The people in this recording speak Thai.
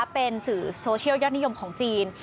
เป็นสื่อโซเชียลยอดนิยมของจีน